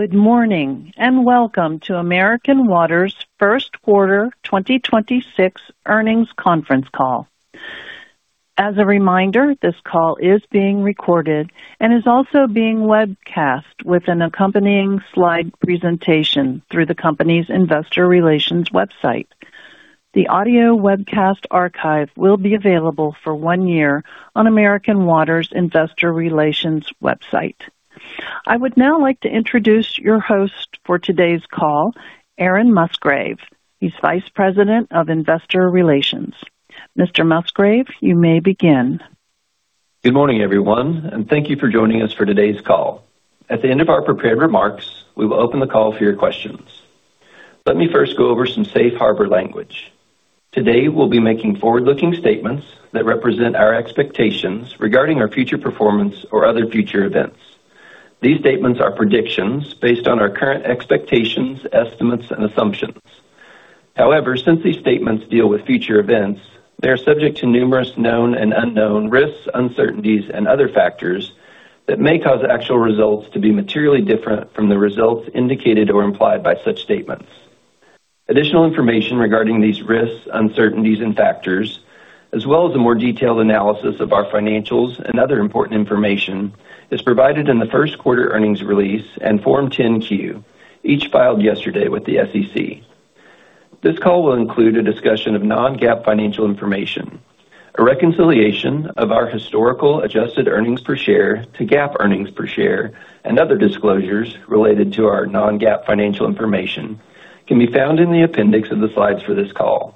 Good morning, and welcome to American Water's first quarter 2026 earnings conference call. As a reminder, this call is being recorded and is also being webcast with an accompanying slide presentation through the company's investor relations website. The audio webcast archive will be available for one year on American Water's investor relations website. I would now like to introduce your host for today's call, Aaron Musgrave. He's Vice President of Investor Relations. Mr. Musgrave, you may begin. Good morning, everyone, and thank you for joining us for today's call. At the end of our prepared remarks, we will open the call for your questions. Let me first go over some safe harbor language. Today, we'll be making forward-looking statements that represent our expectations regarding our future performance or other future events. These statements are predictions based on our current expectations, estimates, and assumptions. However, since these statements deal with future events, they are subject to numerous known and unknown risks, uncertainties and other factors that may cause actual results to be materially different from the results indicated or implied by such statements. Additional information regarding these risks, uncertainties, and factors, as well as a more detailed analysis of our financials and other important information is provided in the first quarter earnings release and Form 10-Q, each filed yesterday with the SEC. This call will include a discussion of non-GAAP financial information. A reconciliation of our historical adjusted earnings per share to GAAP earnings per share and other disclosures related to our non-GAAP financial information can be found in the appendix of the slides for this call.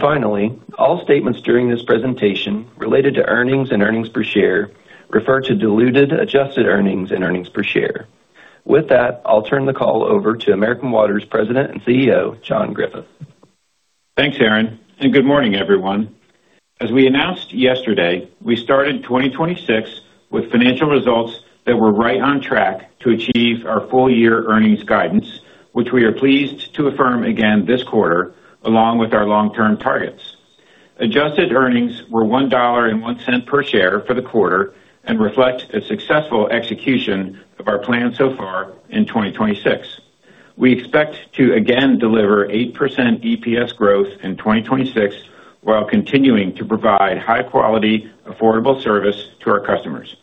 Finally, all statements during this presentation related to earnings and earnings per share refer to diluted adjusted earnings and earnings per share. With that, I'll turn the call over to American Water's President and CEO, John Griffith. Thanks, Aaron, and good morning, everyone. As we announced yesterday, we started 2026 with financial results that were right on track to achieve our full-year earnings guidance, which we are pleased to affirm again this quarter, along with our long-term targets. Adjusted earnings were $1.01 per share for the quarter and reflect a successful execution of our plan so far in 2026. We expect to again deliver 8% EPS growth in 2026, while continuing to provide high quality, affordable service to our customers.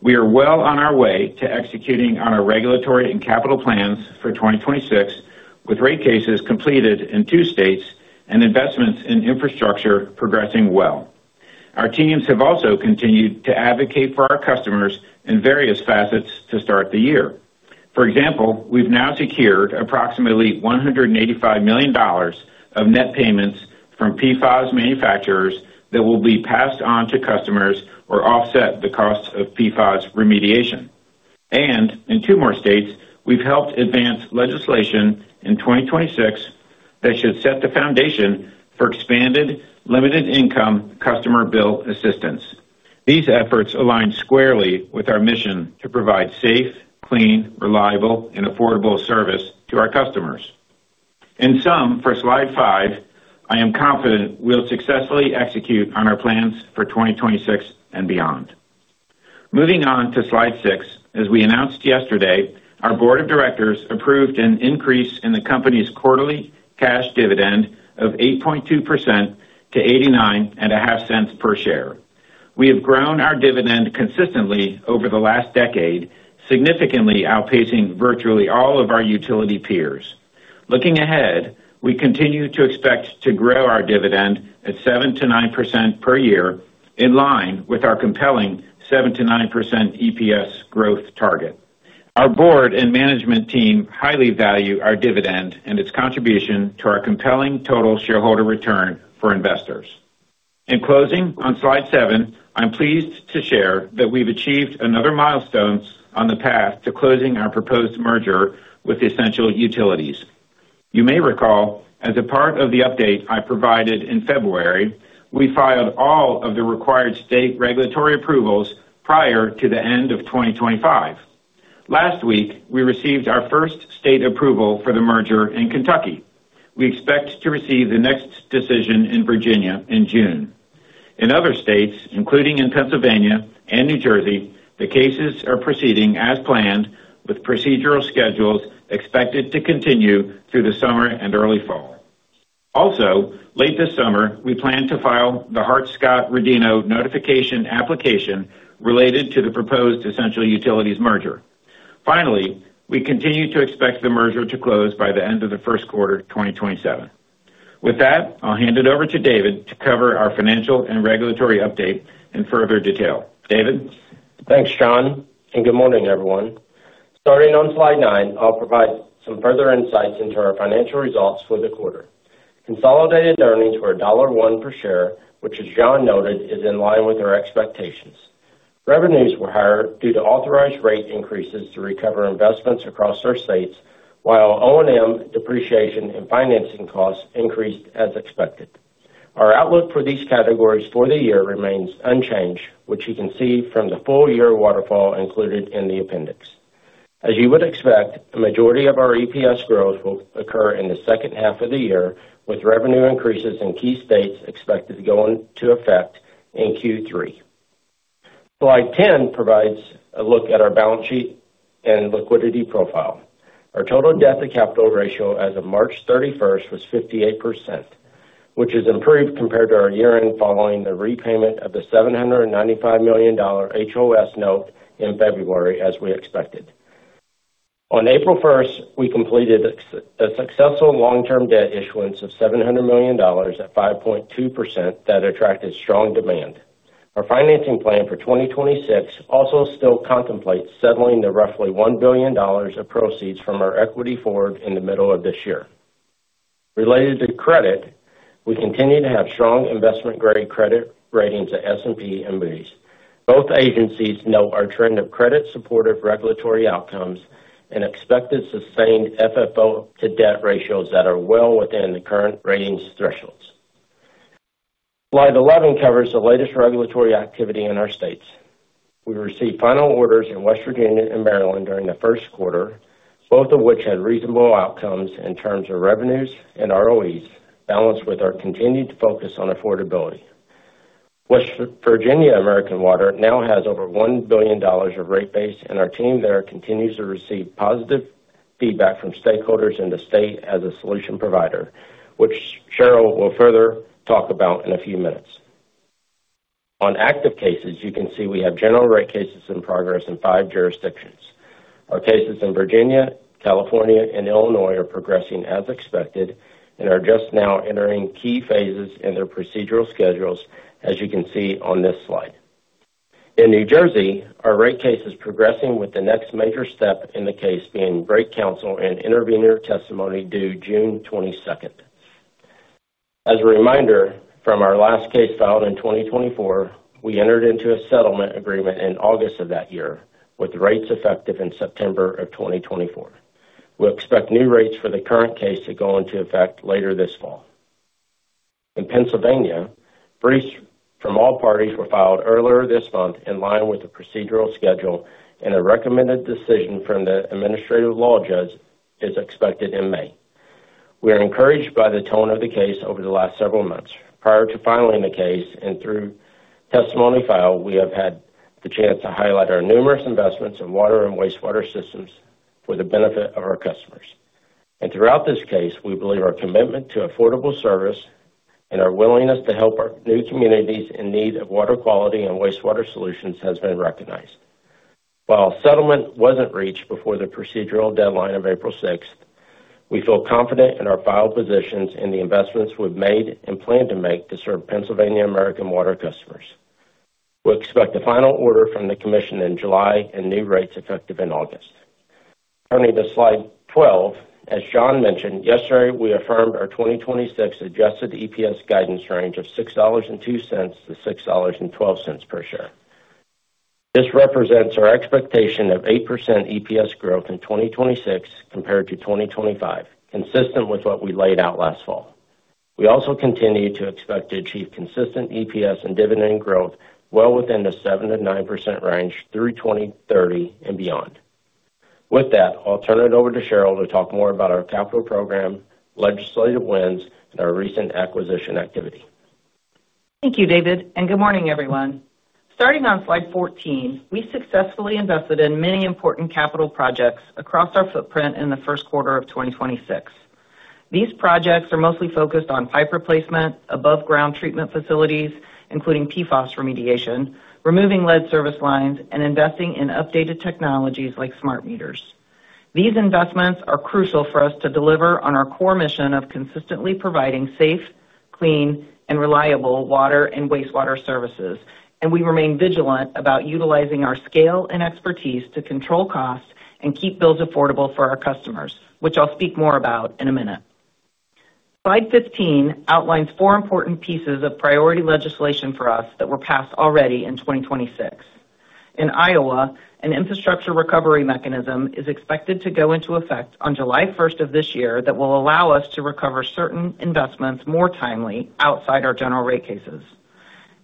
We are well on our way to executing on our regulatory and capital plans for 2026, with rate cases completed in two states and investments in infrastructure progressing well. Our teams have also continued to advocate for our customers in various facets to start the year. For example, we've now secured approximately $185 million of net payments from PFAS manufacturers that will be passed on to customers or offset the cost of PFAS remediation. In two more states, we've helped advance legislation in 2026 that should set the foundation for expanded limited income customer bill assistance. These efforts align squarely with our mission to provide safe, clean, reliable, and affordable service to our customers. In sum, for slide five, I am confident we'll successfully execute on our plans for 2026 and beyond. Moving on to slide six, as we announced yesterday, our board of directors approved an increase in the company's quarterly cash dividend of 8.2%-$0.895 per share. We have grown our dividend consistently over the last decade, significantly outpacing virtually all of our utility peers. Looking ahead, we continue to expect to grow our dividend at 7%-9% per year, in line with our compelling 7%-9% EPS growth target. Our board and management team highly value our dividend and its contribution to our compelling total shareholder return for investors. In closing, on slide seven, I'm pleased to share that we've achieved another milestone on the path to closing our proposed merger with Essential Utilities. You may recall, as a part of the update I provided in February, we filed all of the required state regulatory approvals prior to the end of 2025. Last week, we received our first state approval for the merger in Kentucky. We expect to receive the next decision in Virginia in June. In other states, including in Pennsylvania and New Jersey, the cases are proceeding as planned, with procedural schedules expected to continue through the summer and early fall. Also, late this summer, we plan to file the Hart-Scott-Rodino notification application related to the proposed Essential Utilities merger. Finally, we continue to expect the merger to close by the end of the first quarter of 2027. With that, I'll hand it over to David to cover our financial and regulatory update in further detail. David? Thanks, John. Good morning, everyone. Starting on slide nine, I'll provide some further insights into our financial results for the quarter. Consolidated earnings were $1 per share, which, as John noted, is in line with our expectations. Revenues were higher due to authorized rate increases to recover investments across our states, while O&M depreciation and financing costs increased as expected. Our outlook for these categories for the year remains unchanged, which you can see from the full-year waterfall included in the appendix. As you would expect, the majority of our EPS growth will occur in the second half of the year, with revenue increases in key states expected to go into effect in Q3. Slide 10 provides a look at our balance sheet and liquidity profile. Our total debt to capital ratio as of March 31st was 58%, which has improved compared to our year-end following the repayment of the $795 million HOS note in February as we expected. On April 1st, we completed a successful long-term debt issuance of $700 million at 5.2% that attracted strong demand. Our financing plan for 2026 also still contemplates settling the roughly $1 billion of proceeds from our equity forward in the middle of this year. Related to credit, we continue to have strong investment-grade credit ratings at S&P and Moody's. Both agencies note our trend of credit-supportive regulatory outcomes and expected sustained FFO to debt ratios that are well within the current ratings thresholds. Slide 11 covers the latest regulatory activity in our states. We received final orders in West Virginia and Maryland during the first quarter, both of which had reasonable outcomes in terms of revenues and ROEs balanced with our continued focus on affordability. West Virginia American Water now has over $1 billion of rate base, and our team there continues to receive positive feedback from stakeholders in the state as a solution provider, which Cheryl will further talk about in a few minutes. On active cases, you can see we have general rate cases in progress in five jurisdictions. Our cases in Virginia, California, and Illinois are progressing as expected and are just now entering key phases in their procedural schedules, as you can see on this slide. In New Jersey, our rate case is progressing with the next major step in the case being Rate Counsel and intervener testimony due June 22nd. As a reminder, from our last case filed in 2024, we entered into a settlement agreement in August of that year, with rates effective in September of 2024. We expect new rates for the current case to go into effect later this fall. In Pennsylvania, briefs from all parties were filed earlier this month in line with the procedural schedule, and a recommended decision from the administrative law judge is expected in May. We are encouraged by the tone of the case over the last several months. Prior to filing the case and through testimony filed, we have had the chance to highlight our numerous investments in water and wastewater systems for the benefit of our customers. Throughout this case, we believe our commitment to affordable service and our willingness to help our new communities in need of water quality and wastewater solutions has been recognized. While settlement wasn't reached before the procedural deadline of April 6th, we feel confident in our filed positions and the investments we've made and plan to make to serve Pennsylvania American Water customers. We expect a final order from the commission in July and new rates effective in August. Turning to slide 12, as John mentioned yesterday, we affirmed our 2026 adjusted EPS guidance range of $6.02-$6.12 per share. This represents our expectation of 8% EPS growth in 2026 compared to 2025, consistent with what we laid out last fall. We also continue to expect to achieve consistent EPS and dividend growth well within the 7%-9% range through 2030 and beyond. With that, I'll turn it over to Cheryl to talk more about our capital program, legislative wins, and our recent acquisition activity. Thank you, David. Good morning, everyone. Starting on slide 14, we successfully invested in many important capital projects across our footprint in the first quarter of 2026. These projects are mostly focused on pipe replacement, above-ground treatment facilities, including PFAS remediation, removing lead service lines, and investing in updated technologies like smart meters. These investments are crucial for us to deliver on our core mission of consistently providing safe, clean, and reliable water and wastewater services, and we remain vigilant about utilizing our scale and expertise to control costs and keep bills affordable for our customers, which I'll speak more about in a minute. Slide 15 outlines four important pieces of priority legislation for us that were passed already in 2026. In Iowa, an infrastructure recovery mechanism is expected to go into effect on July 1st of this year that will allow us to recover certain investments more timely outside our general rate cases.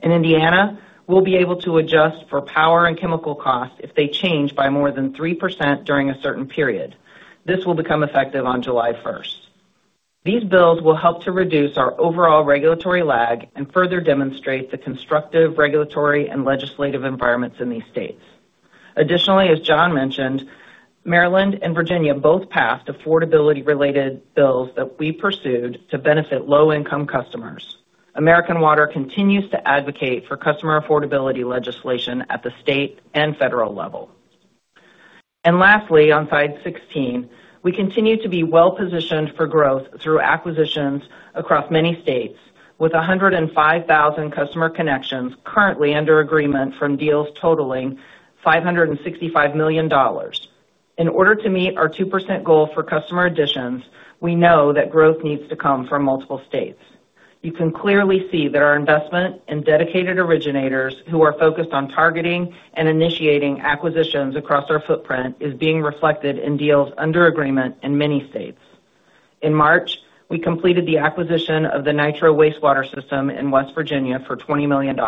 In Indiana, we'll be able to adjust for power and chemical costs if they change by more than 3% during a certain period. This will become effective on July 1st. These bills will help to reduce our overall regulatory lag and further demonstrate the constructive regulatory and legislative environments in these states. Additionally, as John mentioned, Maryland and Virginia both passed affordability-related bills that we pursued to benefit low-income customers. American Water continues to advocate for customer affordability legislation at the state and federal level. Lastly, on slide 16, we continue to be well-positioned for growth through acquisitions across many states with 105,000 customer connections currently under agreement from deals totaling $565 million. In order to meet our 2% goal for customer additions, we know that growth needs to come from multiple states. You can clearly see that our investment in dedicated originators who are focused on targeting and initiating acquisitions across our footprint is being reflected in deals under agreement in many states. In March, we completed the acquisition of the Nitro Regional Wastewater Utility in West Virginia for $20 million.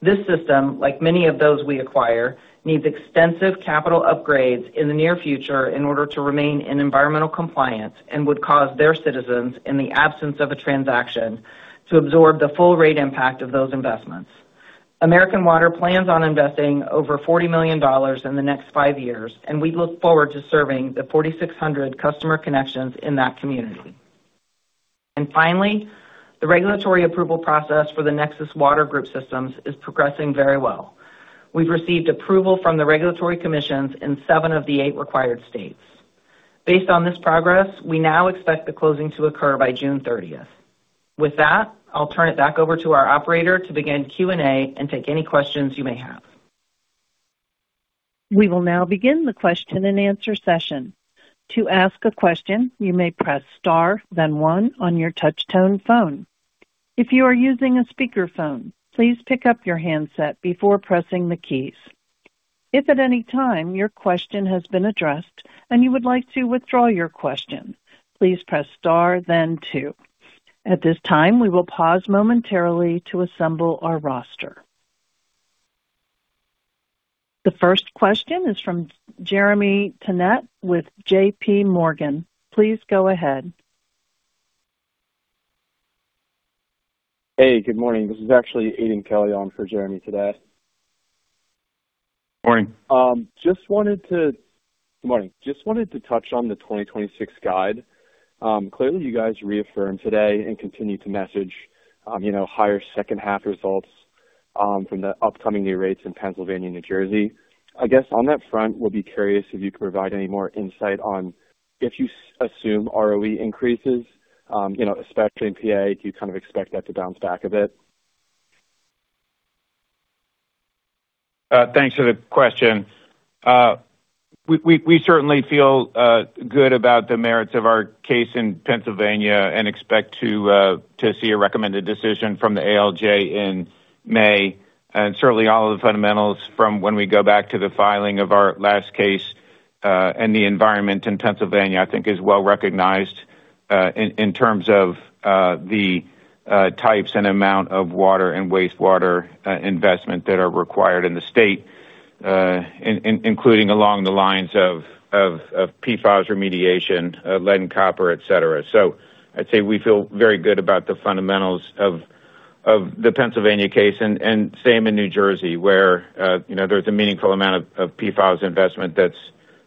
This system, like many of those we acquire, needs extensive capital upgrades in the near future in order to remain in environmental compliance and would cause their citizens, in the absence of a transaction, to absorb the full rate impact of those investments. American Water plans on investing over $40 million in the next 5 years, and we look forward to serving the 4,600 customer connections in that community. Finally, the regulatory approval process for the Nexus Water Group systems is progressing very well. We've received approval from the regulatory commissions in 7 of the 8 required states. Based on this progress, we now expect the closing to occur by June 30th. With that, I'll turn it back over to our operator to begin Q&A and take any questions you may have. The first question is from Jeremy Tonet with JPMorgan. Please go ahead. Hey, good morning. This is actually Aidan Kelly on for Jeremy today. Morning. Good morning. Just wanted to touch on the 2026 guide. Clearly, you guys reaffirmed today and continue to message, you know, higher second-half results from the upcoming new rates in Pennsylvania, New Jersey. I guess on that front, we'll be curious if you assume ROE increases, you know, especially in PA, do you kind of expect that to bounce back a bit? Thanks for the question. We certainly feel good about the merits of our case in Pennsylvania and expect to see a recommended decision from the ALJ in May. Certainly all of the fundamentals from when we go back to the filing of our last case, and the environment in Pennsylvania, I think is well-recognized, in terms of the types and amount of water and wastewater investment that are required in the state, including along the lines of PFAS remediation, lead and copper, et cetera. I'd say we feel very good about the fundamentals of the Pennsylvania case and same in New Jersey, where, you know, there's a meaningful amount of PFAS investment that's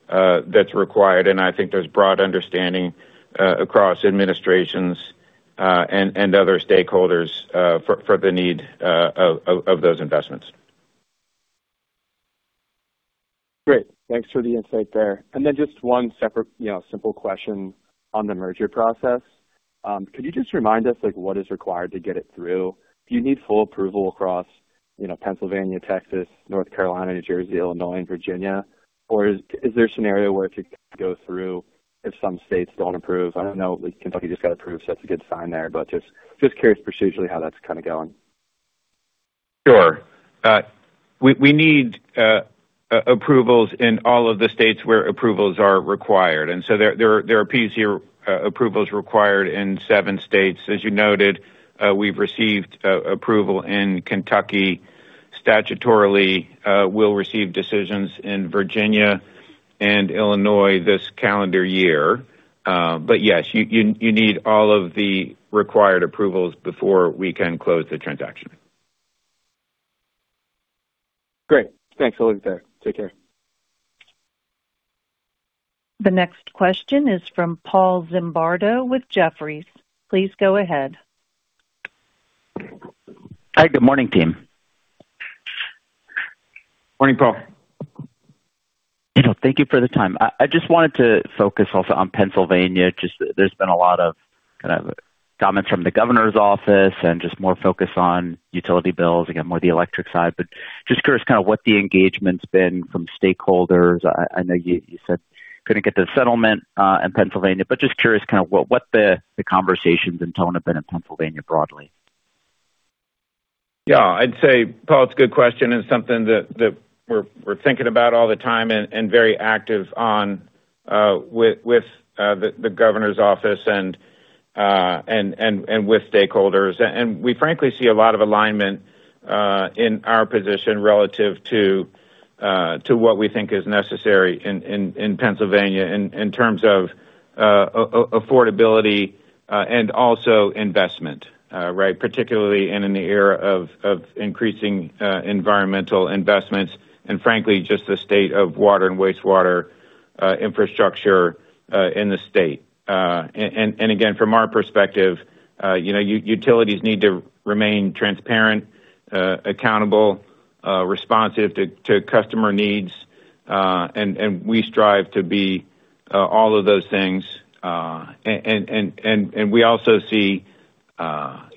that's required. I think there's broad understanding across administrations and other stakeholders for the need of those investments. Great. Thanks for the insight there. Just one separate, you know, simple question on the merger process. Could you just remind us, like, what is required to get it through? Do you need full approval across, you know, Pennsylvania, Texas, North Carolina, New Jersey, Illinois, and Virginia? Is there a scenario where it could go through if some states don't approve? I don't know, Kentucky just got approved, so that's a good sign there, but just curious procedurally how that's kinda going. Sure. We need approvals in all of the states where approvals are required. There are PUC approvals required in seven states. As you noted, we've received approval in Kentucky statutorily. We'll receive decisions in Virginia and Illinois this calendar year. Yes, you need all of the required approvals before we can close the transaction. Great. Thanks a lot there. Take care. The next question is from Paul Zimbardo with Jefferies. Please go ahead. Hi. Good morning, team. Morning, Paul. Thank you for the time. I just wanted to focus also on Pennsylvania. There's been a lot of kind of comments from the governor's office and just more focus on utility bills, again, more the electric side. Just curious, kind of, what the engagement's been from stakeholders. I know you said couldn't get the settlement in Pennsylvania, but just curious, kind of, what the conversations and tone have been in Pennsylvania broadly. Yeah. I'd say, Paul, it's a good question and something that we're thinking about all the time and very active on with the governor's office and with stakeholders. We frankly see a lot of alignment in our position relative to what we think is necessary in Pennsylvania in terms of affordability and also investment, right? Particularly in the era of increasing environmental investments and frankly, just the state of water and wastewater infrastructure in the state. Again, from our perspective, you know, utilities need to remain transparent, accountable, responsive to customer needs. We strive to be all of those things. We also see, you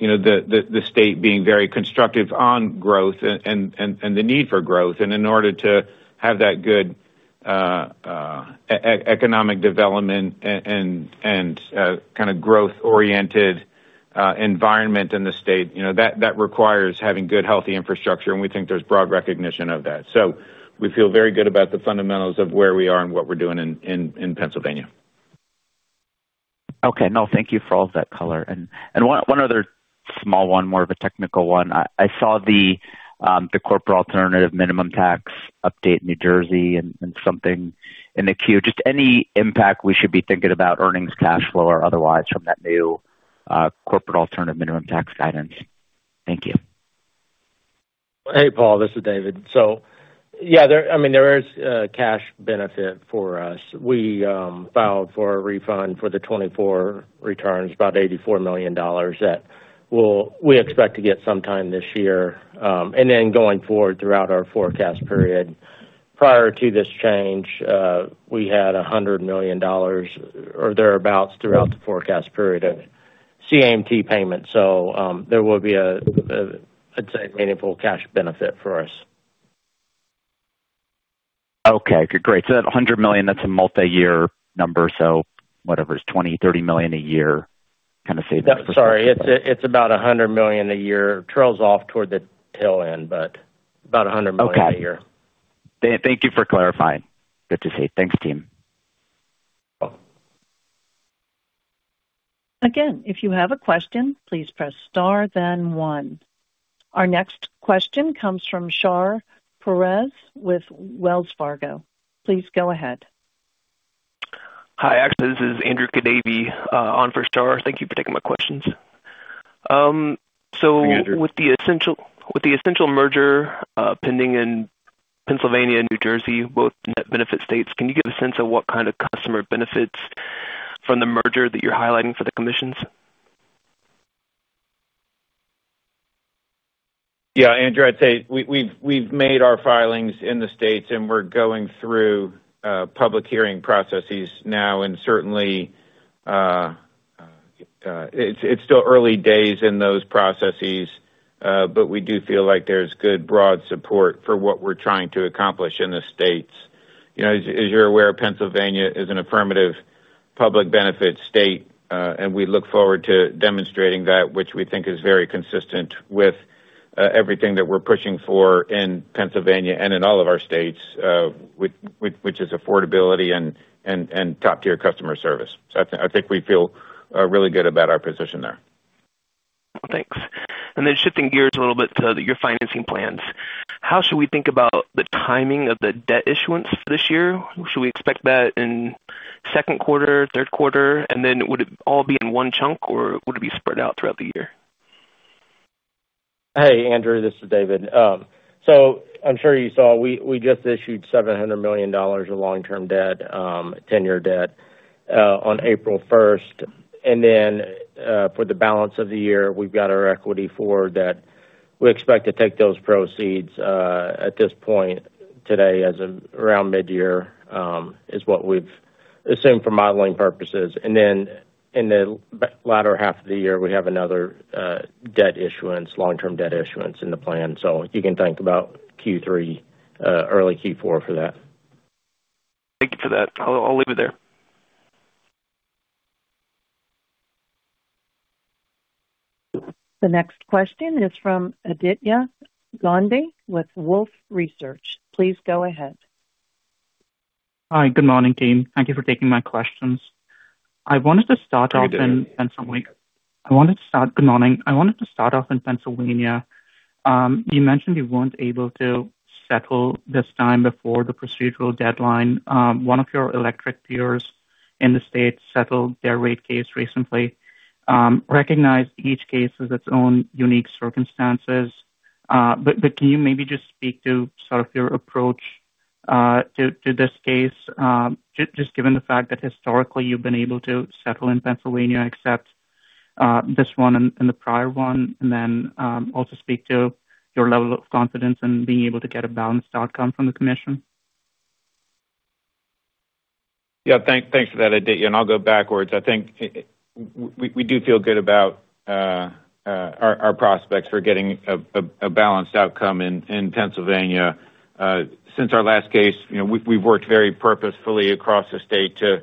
know, the state being very constructive on growth and the need for growth. In order to have that good economic development and kinda growth-oriented environment in the state, you know, that requires having good, healthy infrastructure, and we think there's broad recognition of that. We feel very good about the fundamentals of where we are and what we're doing in Pennsylvania. Okay. No, thank you for all of that color. One other small one, more of a technical one. I saw the corporate alternative minimum tax update in New Jersey and something in the queue. Just any impact we should be thinking about earnings, cash flow, or otherwise from that new Corporate Alternative Minimum Tax guidance. Thank you. Hey, Paul, this is David. Yeah, there is a cash benefit for us. We filed for a refund for the 24 returns, about $84 million that we expect to get some time this year. Going forward throughout our forecast period. Prior to this change, we had $100 million or thereabouts throughout the forecast period of CAMT payments. There will be a, I'd say, meaningful cash benefit for us. Okay. Great. That $100 million, that's a multiyear number, whatever it is, $20 million-$30 million a year kind of savings. Sorry, it's about $100 million a year. Trails off toward the tail end, about $100 million a year. Okay. Thank you for clarifying. Good to see. Thanks, team. Welcome. Again, if you have a question, please press star then one. Our next question comes from Shar Pourreza with Wells Fargo. Please go ahead. Hi. Actually, this is Andrew Kadavy, on for Shar. Thank you for taking my questions. Hey, Andrew. With the Essential merger, pending in Pennsylvania and New Jersey, both net benefit states, can you give a sense of what kind of customer benefits from the merger that you're highlighting for the commissions? Yeah, Andrew, I'd say we've made our filings in the States, and we're going through public hearing processes now, and certainly, it's still early days in those processes, but we do feel like there's good broad support for what we're trying to accomplish in the States. You know, as you're aware, Pennsylvania is an affirmative public benefit state, and we look forward to demonstrating that which we think is very consistent with everything that we're pushing for in Pennsylvania and in all of our states, which is affordability and top-tier customer service. I think we feel really good about our position there. Thanks. Shifting gears a little bit to your financing plans. How should we think about the timing of the debt issuance this year? Should we expect that in second quarter, third quarter? Would it all be in one chunk, or would it be spread out throughout the year? Andrew, this is David. I'm sure you saw, we just issued $700 million of long-term debt, 10-year debt on April 1st. For the balance of the year, we've got our equity forward. We expect to take those proceeds at this point today as of around midyear is what we've assumed for modeling purposes. In the latter half of the year, we have another debt issuance, long-term debt issuance in the plan. You can think about Q3, early Q4 for that. Thank you for that. I'll leave it there. The next question is from Aditya Gandhi with Wolfe Research. Please go ahead. Hi. Good morning, team. Thank you for taking my questions. I wanted to start off- How are you doing? Good morning. I wanted to start off in Pennsylvania. You mentioned you weren't able to settle this time before the procedural deadline. One of your electric peers in the state settled their rate case recently. Recognize each case has its own unique circumstances. Can you maybe just speak to sort of your approach to this case, just given the fact that historically you've been able to settle in Pennsylvania, except this one and the prior one? Also speak to your level of confidence in being able to get a balanced outcome from the commission. Thanks for that, Aditya. I'll go backwards. I think we do feel good about our prospects for getting a balanced outcome in Pennsylvania. Since our last case, you know, we've worked very purposefully across the state to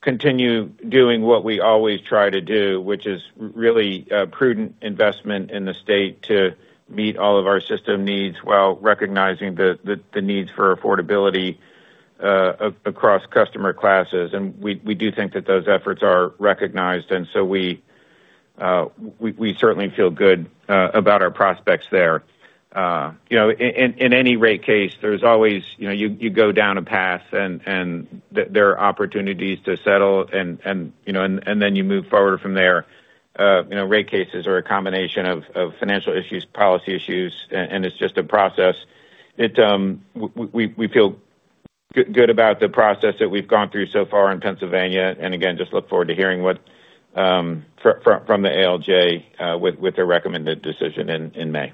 continue doing what we always try to do, which is really prudent investment in the state to meet all of our system needs while recognizing the needs for affordability across customer classes. We do think that those efforts are recognized. We certainly feel good about our prospects there. You know, in any rate case, there's always, you know, you go down a path and there are opportunities to settle, you know, then you move forward from there. You know, rate cases are a combination of financial issues, policy issues, and it's just a process. We feel good about the process that we've gone through so far in Pennsylvania, and again, just look forward to hearing what from the ALJ with their recommended decision in May.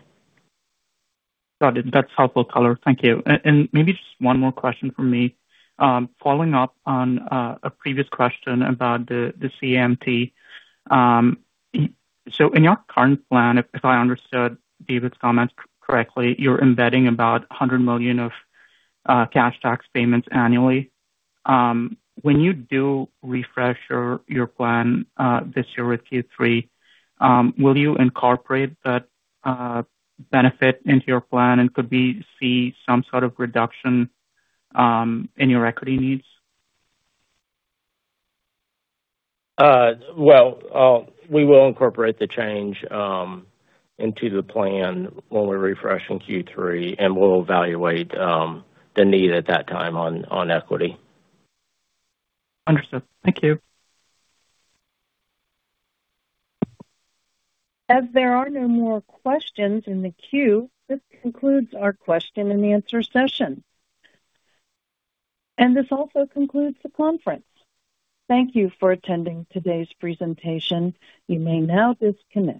Got it. That's helpful color. Thank you. Maybe just one more question from me. Following up on a previous question about the CAMT. In your current plan, if I understood David's comments correctly, you're embedding about $100 million of cash tax payments annually. When you do refresh your plan this year with Q3, will you incorporate that benefit into your plan, and could we see some sort of reduction in your equity needs? We will incorporate the change into the plan when we refresh in Q3, and we'll evaluate the need at that time on equity. Understood. Thank you. As there are no more questions in the queue, this concludes our question-and-answer session. This also concludes the conference. Thank you for attending today's presentation. You may now disconnect.